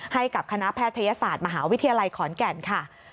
ให้กับคณะแพทยศาสตร์มหาวิทยาลัยขอนแก่นค่ะ